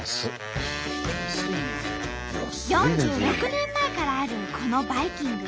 ４６年前からあるこのバイキング。